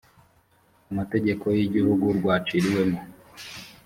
amategeko y igihugu rwaciriwemo